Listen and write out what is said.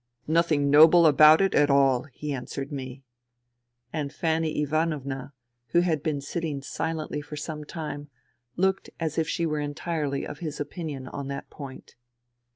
" Nothing noble about it at all !" he answered me. And Fanny Ivanovna, who had been sitting silently for some time, looked as if she were entirely of his opinion on that point.